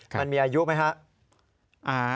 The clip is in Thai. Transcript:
มันมีอายุไหมฮะ